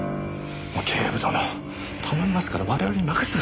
もう警部殿頼みますから我々に任せてください！